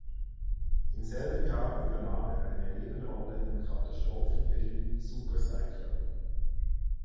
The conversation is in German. Im selben Jahr übernahm er eine Nebenrolle im Katastrophenfilm "Super Cyclone".